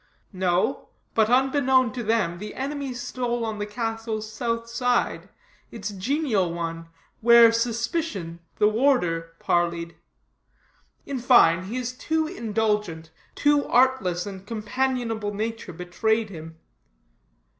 No, but unbeknown to them, the enemy stole on the castle's south side, its genial one, where Suspicion, the warder, parleyed. In fine, his too indulgent, too artless and companionable nature betrayed him.